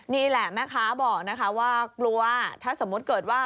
นี่แหละแม่ค้าบอกนะคะว่ากลัวถ้าสมมุติเกิดว่า